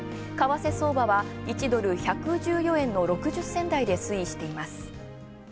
為替相場は１ドル１１４円の６０銭台で推移しています。